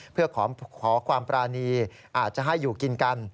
เพื่อขอความปรานีอาจจะให้อยู่กินกัน